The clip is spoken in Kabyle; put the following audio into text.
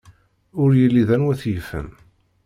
Ur yelli d anwa t-yifen.